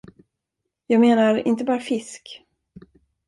Jag menar, inte bara fisk.